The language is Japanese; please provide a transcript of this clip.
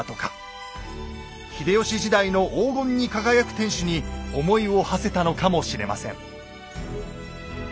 秀吉時代の黄金に輝く天守に思いをはせたのかもしれません。